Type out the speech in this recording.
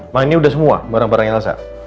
ma ini udah semua barang barangnya elsa